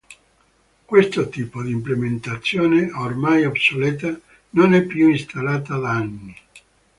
Questo tipo di implementazione, ormai obsoleta, non è più installata da anni.